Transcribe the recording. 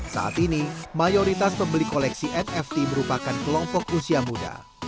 saat ini mayoritas pembeli koleksi nft merupakan kelompok usia muda